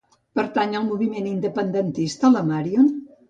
Pertany al moviment independentista la Marion?